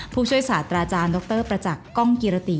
ผู้ช่วยศาสตราจารย์ดรประจักษ์กล้องกิรติ